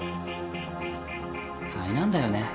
災難だよね。